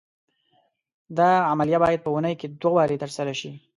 دا عملیه باید په اونۍ کې دوه وارې تر سره شي.